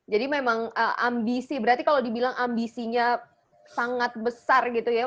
jadi memang ambisi berarti kalau dibilang ambisinya sangat besar gitu ya